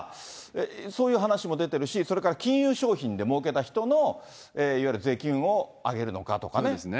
そういう話も出てるし、それから金融商品でもうけた人のいわゆる税金を上げるのかとかね。